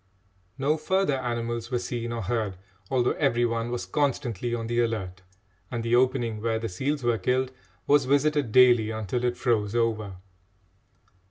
No further animals were seen or heard, although every one was constantly on the alert, and the opening where the seals were killed was visited daily until it froze over.